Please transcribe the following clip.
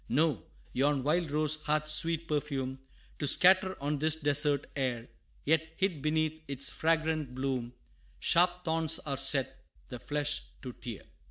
No yon wild rose hath sweet perfume To scatter on this desert air; Yet, hid beneath its fragrant bloom, Sharp thorns are set, the flesh to tear.